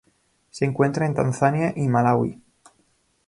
Se encuentra en Tanzania y Malaui.